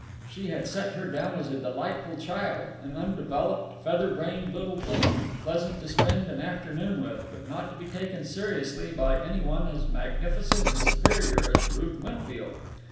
She had set her down as a delightful child, an undeveloped, feather brained little thing, pleasant to spend an afternoon with, but not to be taken seriously by any one as magnificent and superior as Ruth Winfield.